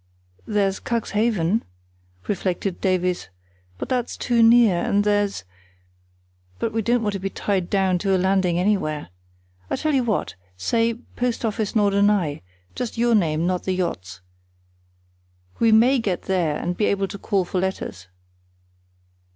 "There's Cuxhaven," reflected Davies; "but that's too near, and there's—but we don't want to be tied down to landing anywhere. I tell you what: say 'Post Office, Norderney', just your name, not the yacht's. We may get there and be able to call for letters."